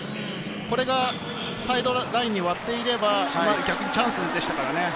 これがサイドラインに割っていれば逆にチャンスでしたからね。